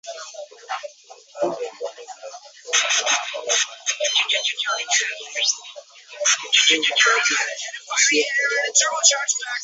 Kundi ambalo wanaharakati wanaamini lilijumuisha zaidi ya darzeni tatu za wa-shia.